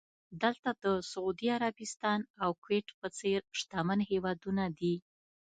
دلته د سعودي عربستان او کوېټ په څېر شتمن هېوادونه دي.